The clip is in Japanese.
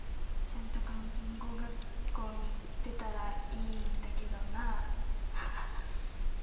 ちゃんと看護学校にいってたらいいんだけどなあ」。